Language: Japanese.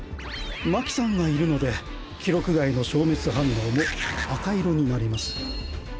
真希さんがいるので記録外の消滅反応も赤色になります。